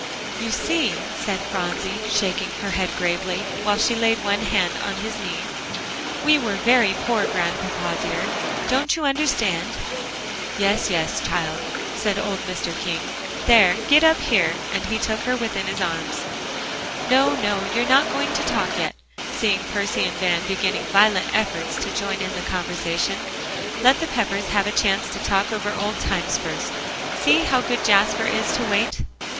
"You see," said Phronsie, shaking her head gravely, while she laid one hand on his knee, "we were very poor, Grandpapa dear. Don't you understand?" "Yes, yes, child," said old Mr. King; "there, get up here," and he took her within his arms. "No, no, you're not going to talk yet," seeing Percy and Van beginning violent efforts to join in the conversation. "Let the Peppers have a chance to talk over old times first. See how good Jasper is to wait."